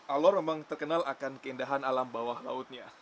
alor memang terkenal akan keindahan alam bawah lautnya